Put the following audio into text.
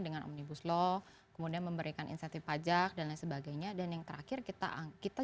dengan omnibus law kemudian memberikan insentif pajak dan lain sebagainya dan yang terakhir kita kita